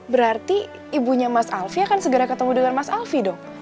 berarti ibunya mas alvi akan segera ketemu dengan mas alfie dong